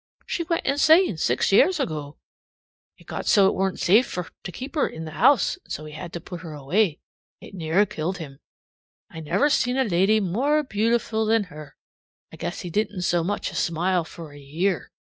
She went insane six years ago. It got so it weren't safe to keep her in the house, and he had to put her away. It near killed him. I never seen a lady more beautiful than her. I guess he didn't so much as smile for a year.